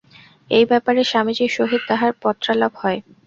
এই ব্যাপারে স্বামীজীর সহিত তাঁহার পত্রালাপ হয়।